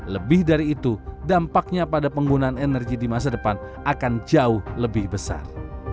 lebih dari itu dampaknya pada penggunaan energi di masa depan akan jauh lebih besar